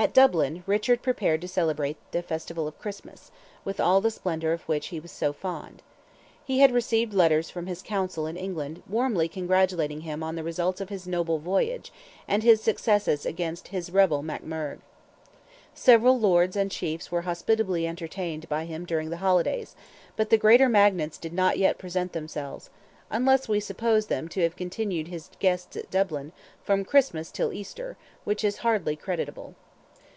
At Dublin, Richard prepared to celebrate the festival of Christmas, with all the splendour of which he was so fond. He had received letters from his council in England warmly congratulating him on the results of his "noble voyage" and his successes against "his rebel Make Murgh." Several lords and chiefs were hospitably entertained by him during the holidays—but the greater magnates did not yet present themselves—unless we suppose them to have continued his guests at Dublin, from Christmas till Easter, which is hardly credible.